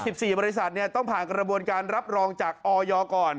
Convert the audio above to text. สี่บริษัทเนี่ยต้องผ่านกระบวนการรับรองจากออยก่อน